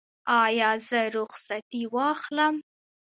ایا زه رخصتي واخلم؟